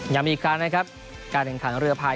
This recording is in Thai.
ยังมีอีกครั้งแหละการแข่งข่าวเรือพาย